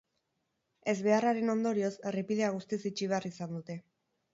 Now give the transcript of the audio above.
Ezbeharraren ondorioz, errepidea guztiz itxi behar izan dute.